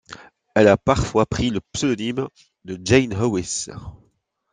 Elle a parfois pris le pseudonyme de Jane Howes.